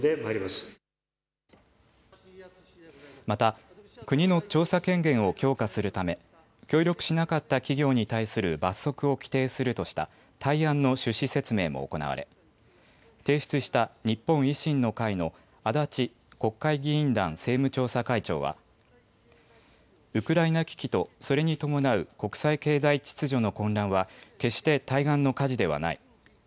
また、国の調査権限を強化するため、協力しなかった企業に対する罰則を規定するとした対案の趣旨説明も行われ、提出した日本維新の会の足立国会議員団政務調査会長は、ウクライナ危機とそれに伴う国際経済秩序の混乱は、決して対岸の火事ではない。